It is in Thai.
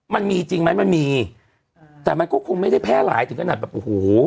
มันมีจริงไหมมันมีแต่มันก็คงไม่ได้แพร่หลายถึงขนาดแบบโอ้โห